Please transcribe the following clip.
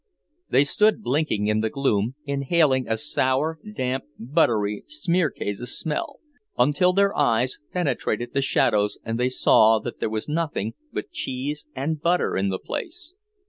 They stood blinking in the gloom, inhaling a sour, damp, buttery, smear kase smell, until their eyes penetrated the shadows and they saw that there was nothing but cheese and butter in the place.